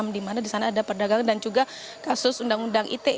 di mana di sana ada perdagangan dan juga kasus undang undang ite